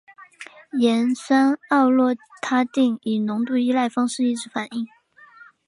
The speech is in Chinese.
盐酸奥洛他定以浓度依赖方式抑制反应。